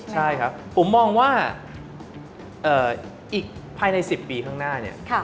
ใช่ครับผมมองว่าอีกภายใน๑๐ปีข้างหน้าเนี่ย